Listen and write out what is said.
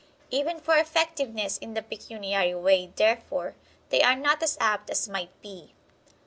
Even for effectiveness in the pecuniary way, therefore, they are not as apt as might be.